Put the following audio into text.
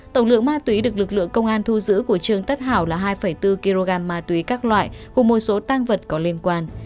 tổng lượng ma túy được lực lượng công an thu giữ của trương tất hảo là hai bốn kg ma túy các loại cùng một số tăng vật có liên quan